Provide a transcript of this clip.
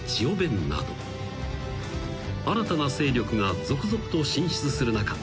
［新たな勢力が続々と進出する中